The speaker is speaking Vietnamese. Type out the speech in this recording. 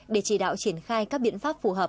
để chỉ đạo triển khai các biện pháp phù hợp